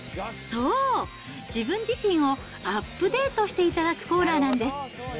そう、自分自身をアップデートしていただくコーナーなんです。